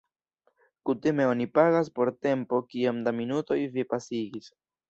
Kutime oni pagas por tempo kiom da minutoj vi pasigis.